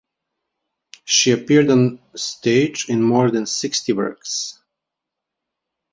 She appeared on stage in more than sixty works.